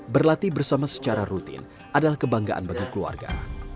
berlatih bersama secara rutin adalah kebanggaan bagi keluarga